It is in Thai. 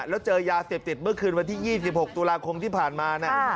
แล้วเจอยาเสพติดเมื่อคืนวันที่๒๖ตุลาคมที่ผ่านมา